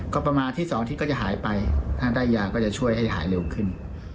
ก็ประมาทที่สองที่ก็จะหายไปถ้าได้ยาก็จะช่วยให้หายเร็วขึ้น